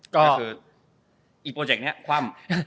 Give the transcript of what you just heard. ก็คืออีกโปรเจกต์นี้คว่ำ